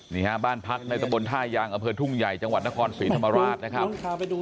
นี่ฮะบ้านพักในตะบนท่ายางอำเภอทุ่งใหญ่จังหวัดนครศรีธรรมราชนะครับ